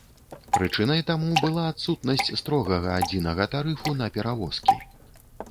Прычынай таму была адсутнасць строгага адзінага тарыфу на перавозкі.